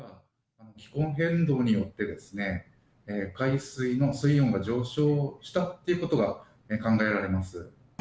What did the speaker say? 気候変動によって、海水の水温が上昇したということが考えられます。